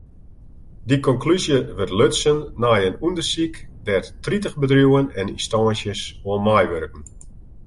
Dy konklúzje wurdt lutsen nei in ûndersyk dêr't tritich bedriuwen en ynstânsjes oan meiwurken.